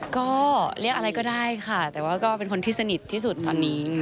ก็เรียกอะไรก็ได้ค่ะแต่ว่าก็เป็นคนที่สนิทที่สุดตอนนี้